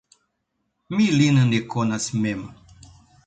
Mi lin ne konas mem!